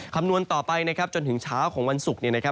คำนวณต่อไปจนถึงเช้าของวันศุกร์